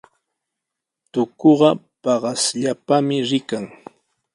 Tukuqa paqasllapami rikan.